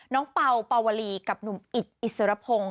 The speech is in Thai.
เป่าเป่าวลีกับหนุ่มอิดอิสรพงศ์